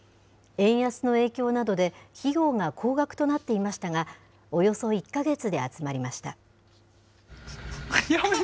円安の影響などで、費用が高額となっていましたが、およそ１か月で集まりました。